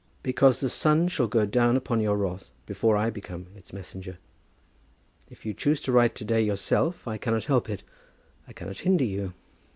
"Because the sun shall go down upon your wrath before I become its messenger. If you choose to write to day yourself, I cannot help it. I cannot hinder you.